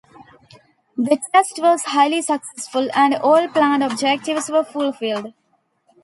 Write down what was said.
The test was highly successful and all planned objectives were fulfilled.